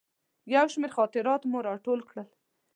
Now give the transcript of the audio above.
یو شمېر خاطرات مې راټول کړل.